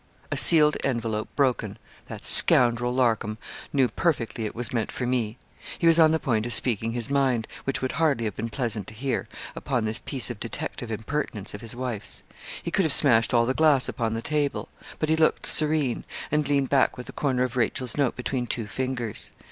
A sealed envelope broken. That scoundrel, Larcom, knew perfectly it was meant for me. He was on the point of speaking his mind, which would hardly have been pleasant to hear, upon this piece of detective impertinence of his wife's. He could have smashed all the glass upon the table. But he looked serene, and leaned back with the corner of Rachel's note between two fingers.